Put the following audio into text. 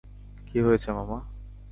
কী হয়েছে, মামা?